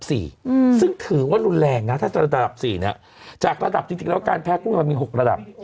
ซึ่งถือว่ารุนแรงนะถ้าจะระดับ๔เนี่ยจากระดับจริงแล้วการแพ้กุ้งมันมี๖ระดับ